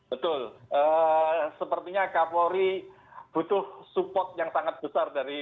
betul sepertinya kapolri butuh support yang sangat besar dari